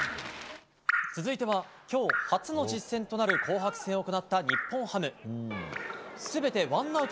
続いては今日初の実戦となる紅白戦を行った日本ハムキャンプ。